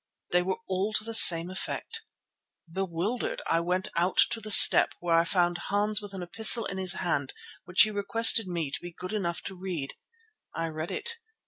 They were all to the same effect. Bewildered I went on to the stoep, where I found Hans with an epistle in his hand which he requested me to be good enough to read. I read it.